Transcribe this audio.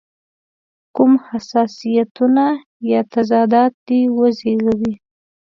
کوم حساسیتونه یا تضادات دې وزېږوي.